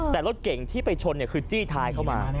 แต่รถเก่งที่ไปชนคือจี้ท้ายเข้ามา